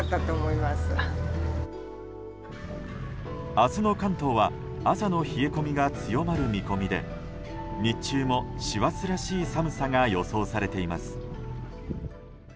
明日の関東は朝の冷え込みが強まる見込みで日中も師走らしい寒さが予想されています。